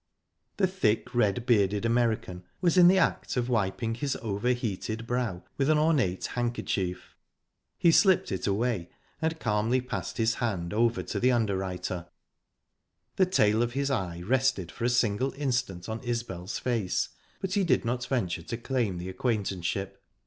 The thick, red bearded American was in the act of wiping his over heated brow with an ornate handkerchief. He slipped it away, and calmly passed his hand over to the underwriter. The tail of his eye rested for a single instant on Isbel's face, but he did not venture to claim the acquaintanceship.